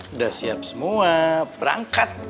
udah siap semua berangkat